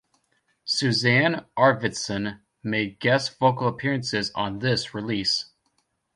Susanne Arvidsson made guest vocal appearances on this release.